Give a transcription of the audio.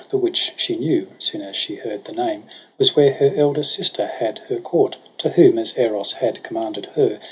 The which she knew, soon as she heard the name, Was where her elder sister had her court 5 To whom, as Eros had commanded her.